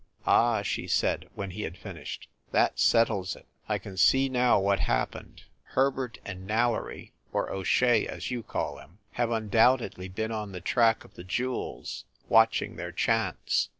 "Ah," she said when he had finished, "that settles it. I can see now what happened. Herbert and Nailery, or O Shea, as you call him, have undoubtedly been on the track of the jewels, watching their chance.